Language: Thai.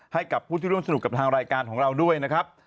ให้กับผู้ที่ร่วมสนุกกับทางรายการของเราด้วยนะครับ